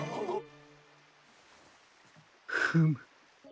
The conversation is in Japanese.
フム。